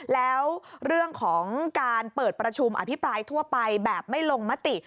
แล้วเรื่องของการเปิดประชุมอภิปรายทั่วไปแบบไม่ลงมติ